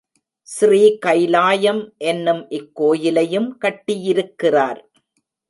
ஸ்ரீ கைலாயம் என்னும் இக்கோயிலையும் கட்டியிருக்கிறார்.